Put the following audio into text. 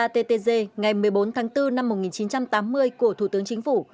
ttg ngày một mươi bốn tháng bốn năm một nghìn chín trăm tám mươi của thủ tướng chính phủ